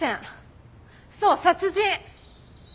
そう殺人！